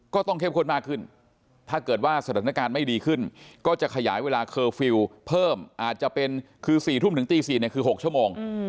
เข้มข้นมากขึ้นถ้าเกิดว่าสถานการณ์ไม่ดีขึ้นก็จะขยายเวลาเคอร์ฟิลล์เพิ่มอาจจะเป็นคือ๔ทุ่มถึงตี๔คือ๖ชั่วโมง